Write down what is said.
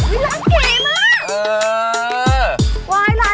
อุ้ยร้านเก๋มาก